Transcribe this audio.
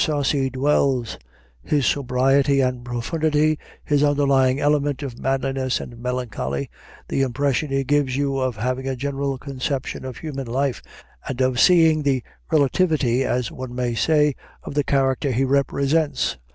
Sarcey dwells his sobriety and profundity, his underlying element of manliness and melancholy, the impression he gives you of having a general conception of human life and of seeing the relativity, as one may say, of the character he represents.